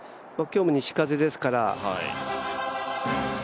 今日も西風ですから。